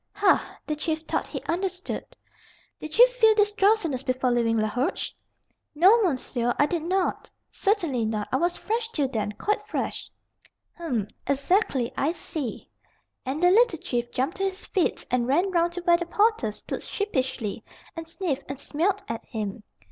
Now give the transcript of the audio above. "Hah!" The Chief thought he understood. "Did you feel this drowsiness before leaving Laroche?" "No, monsieur, I did not. Certainly not. I was fresh till then quite fresh." "Hum; exactly; I see;" and the little Chief jumped to his feet and ran round to where the porter stood sheepishly, and sniffed and smelt at him.